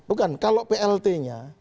bukan kalau plt nya